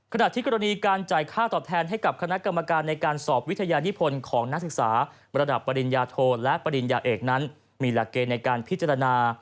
ขณะที่กรณีการจ่ายค่าตอบแทนให้กับคณะกรรมการในการสอบวิทยานิพลของนักศึกษาระดับปริญญาโทและปริญญาเอกนั้นมีหลักเกณฑ์ในการพิจารณา